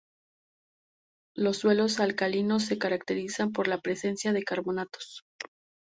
Los suelos alcalinos se caracterizan por la presencia de carbonatos.